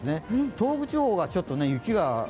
東北地方はちょっと雪が。